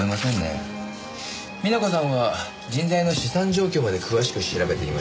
美奈子さんは人材の資産状況まで詳しく調べていました。